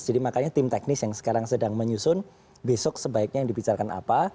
jadi makanya tim teknis yang sekarang sedang menyusun besok sebaiknya yang dibicarakan apa